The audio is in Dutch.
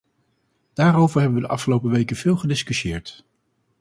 Daarover hebben we de afgelopen weken veel gediscussieerd.